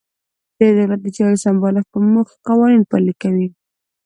د دولت د چارو سمبالښت په موخه قوانین پلي کوي.